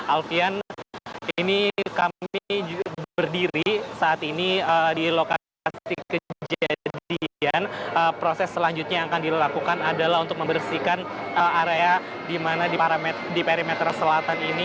alfian ini kami berdiri saat ini di lokasi kejadian proses selanjutnya yang akan dilakukan adalah untuk membersihkan area di mana di perimeter selatan ini